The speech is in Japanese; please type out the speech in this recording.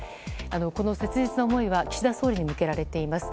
この切実な思いは岸田総理に向けられています。